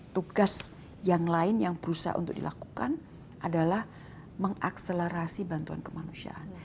tugas yang lain yang berusaha untuk dilakukan adalah mengakselerasi bantuan kemanusiaan